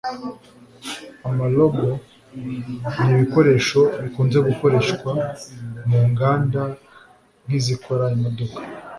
Ama-robots ni ibikoresho bikunze gukoreshwa mu nganda nk’izikora imodoka